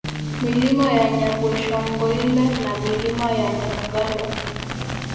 Milima ya Nyabweshongoile na Milima ya Nyakagando